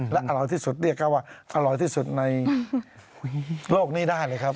และอร่อยที่สุดเรียกได้ว่าอร่อยที่สุดในโลกนี้ได้เลยครับ